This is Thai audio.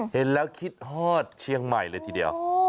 เห็นแล้วคิดฮอดเชียงใหม่เลยทีเดียว